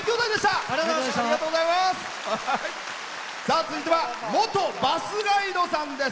続いては元バスガイドさんです。